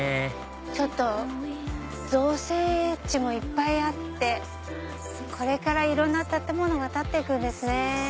ちょっと造成地もいっぱいあってこれからいろんな建物が建って行くんですね。